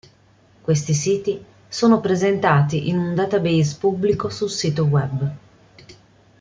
Questi siti sono presentati in un database pubblico sul sito Web.